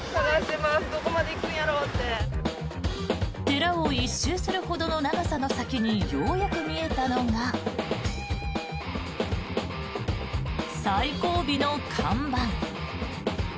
寺を１周するほどの長さの先にようやく見えたのが最後尾の看板。